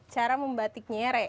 cara membatik nyere